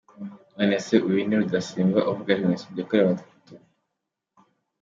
None se, uyu ni Rudasingwa uvuga Jenoside yakorewe Abahutu ?